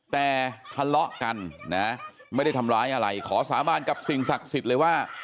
แต่ทะเลาะกันนะไม่ได้ทำร้ายอะไรขอสาบานกับสิ่งศักดิ์สิทธิ์เลยว่า